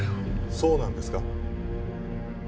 そうなんですか？